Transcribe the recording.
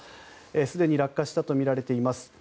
すでに落下したとみられています。